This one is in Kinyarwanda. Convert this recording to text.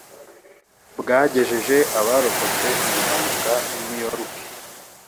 bwagejeje abarokotse iyi mpanuka I New York